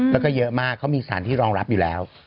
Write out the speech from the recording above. แล้วก็เยอะมากเขามีสถานที่รองรับอยู่แล้ว